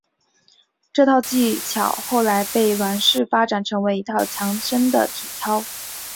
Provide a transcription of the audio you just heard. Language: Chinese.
这套技巧后来被阮氏发展成为一套强身的体操。